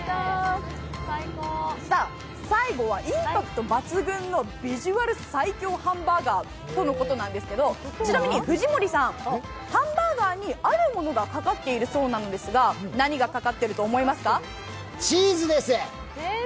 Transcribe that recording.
最後はインパクト抜群のビジュアル最強ハンバーガーということなんですけどちなみに藤森さん、ハンバーガーにあるものがかかっているそうなんですが、何がかかっていると思いますか？